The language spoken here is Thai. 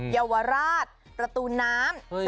เยาวราชประตูน้ำสยามสีลม